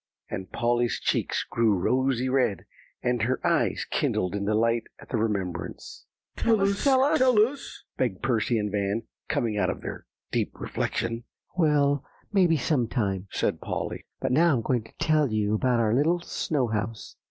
and Polly's cheeks grew rosy red, and her eyes kindled in delight at the remembrance. "Tell us, tell us," begged Percy and Van, coming out of their deep reflection. "Well, maybe, some time," said Polly; "but now I'm going to tell you about our little snow house.